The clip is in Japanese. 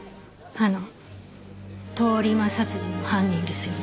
あの通り魔殺人の犯人ですよね？